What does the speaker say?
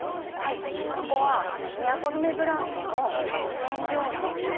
ここはみやこ染ブランドの染料店です。